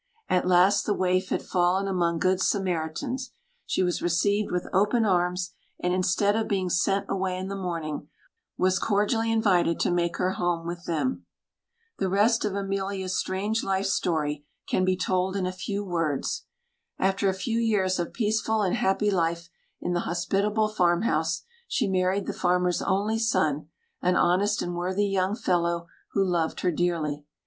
At last the waif had fallen among good Samaritans. She was received with open arms; and instead of being sent away in the morning, was cordially invited to make her home with them. The rest of Emilia's strange life story can be told in few words. After a few years of peaceful and happy life in the hospitable farmhouse, she married the farmer's only son, an honest and worthy young fellow who loved her dearly.